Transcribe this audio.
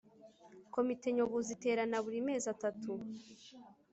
Komite Nyobozi iterana buri mezi atatu